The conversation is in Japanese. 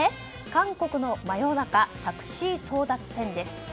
韓国の真夜中タクシー争奪戦です。